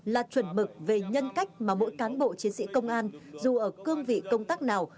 là chuẩn mực về nhân cách mà mỗi cán bộ chiến sĩ công an dù ở cương vị công tác nào